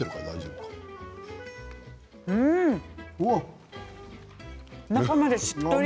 うん、中までしっとり！